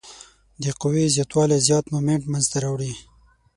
د قوې زیات والی زیات مومنټ منځته راوړي.